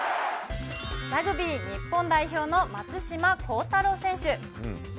ラグビー日本代表の松島幸太朗選手。